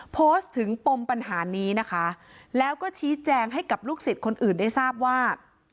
โพสต์ถึงปมปัญหานี้นะคะแล้วก็ชี้แจงให้กับลูกศิษย์คนอื่นได้ทราบว่า